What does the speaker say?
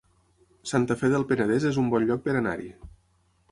Santa Fe del Penedès es un bon lloc per anar-hi